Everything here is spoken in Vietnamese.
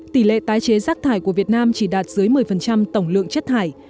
tỷ lệ tái chế rác thải của việt nam chỉ đạt dưới một mươi tổng lượng chất thải